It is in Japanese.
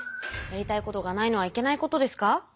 やりたいことがないのはいけないことですか？